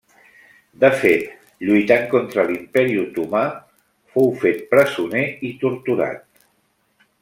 De fet, lluitant contra l'Imperi Otomà, fou fet presoner i torturat.